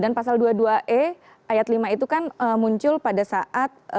dan pasal dua dua e ayat lima itu kan muncul pada saat